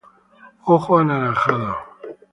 Ojo anaranjado.